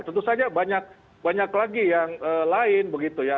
tentu saja banyak lagi yang lain begitu ya